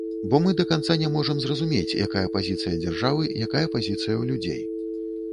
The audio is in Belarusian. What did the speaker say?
Бо мы да канца не можам зразумець, якая пазіцыя дзяржавы, якая пазіцыя ў людзей.